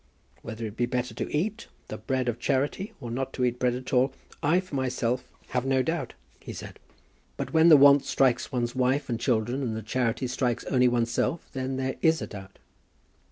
Whether it be better to eat the bread of charity, or not to eat bread at all, I, for myself, have no doubt," he said; "but when the want strikes one's wife and children, and the charity strikes only oneself, then there is a doubt."